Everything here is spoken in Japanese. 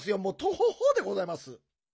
もうトホホでございます。